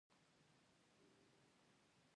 د افغانستان سالنګ په اساسي او بنسټیز ډول